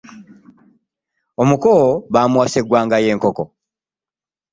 Omuko bamuwa segwanga ye nkoko.